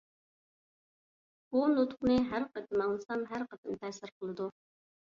بۇ نۇتۇقنى ھەر قېتىم ئاڭلىسام ھەر قېتىم تەسىر قىلىدۇ.